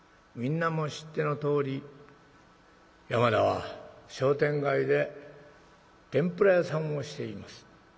みんなも知ってのとおり山田は商店街で天ぷら屋さんをしています。